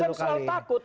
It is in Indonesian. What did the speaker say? kita bukan soal takut